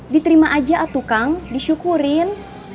diterima aja aduh kang disyukurin